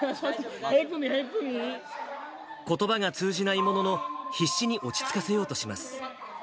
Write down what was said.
ヘルプミー、ことばが通じないものの、必死に落ち着かせようとします。